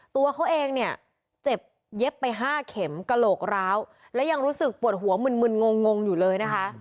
ตัวเขาเองเนี่ยเจ็บเย็บไป๕เข็มกระโหลกร้าวและยังรู้สึกปวดหัวมึนงงอยู่เลยนะคะ